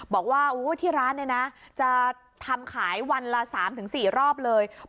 บอกว่าที่ร้านเนี่ยนะจะทำขายวันละ๓๔รอบเลย